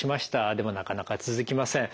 でもなかなか続きません。